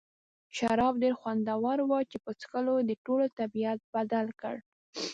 شراب ډېر خوندور وو چې په څښلو یې د ټولو طبیعت بدل کړ.